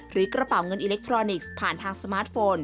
กระเป๋าเงินอิเล็กทรอนิกส์ผ่านทางสมาร์ทโฟน